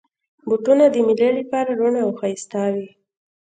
بوټونه د مېلې لپاره روڼ او ښایسته وي.